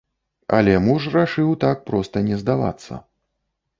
Але муж рашыў так проста не здавацца.